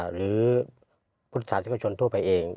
หรือพุทธศาสกชนทั่วไปเอง